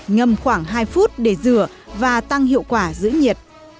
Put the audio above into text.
ngầm khoảng hai phút để rửa và tăng hiệu quả giữ nhiệt